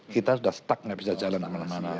kita sudah stuck nggak bisa jalan kemana mana